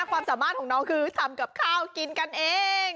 ความสามารถของน้องคือทำกับข้าวกินกันเอง